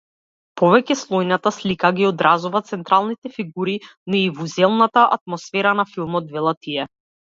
Повеќеслојната слика ги одразува централните фигури, но и вузелната атмосфера на филмот, велат тие.